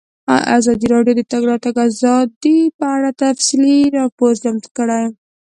ازادي راډیو د د تګ راتګ ازادي په اړه تفصیلي راپور چمتو کړی.